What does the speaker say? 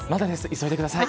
急いでください。